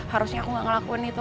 harusnya aku gak ngelakuin itu